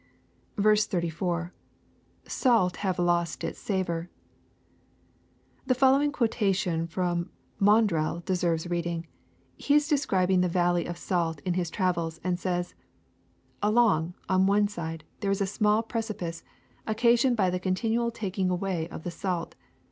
34. — [SaU have lost Ua savor^ The following quotation from Maundrell deserves reading. He is describing the valley of salt, in his travels, and he says, " Along, on one side, there is a small precipice, occasioned by the continual taking away of the salt.